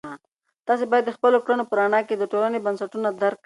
تاسې باید د خپلو کړنو په رڼا کې د ټولنې بنسټونه درک کړئ.